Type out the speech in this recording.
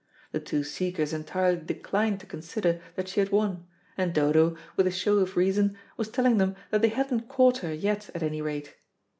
The two seekers entirely declined to consider that she had won, and Dodo, with a show of reason, was telling them that they hadn't caught her yet at any rate.